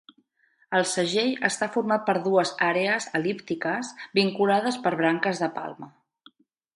El segell està format per dues àrees el·líptiques, vinculades per branques de palma.